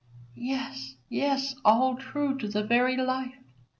Yes, yes, all true to the very life.